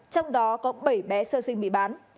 trong đó có bảy bé sơ sinh bị bán